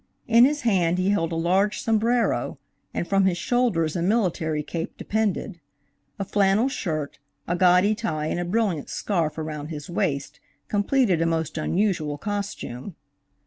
In his hand he held a large sombrero and from his shoulders a military cape depended. A flannel shirt, a gaudy tie and a brilliant scarf around his waist completed a most unusual costume.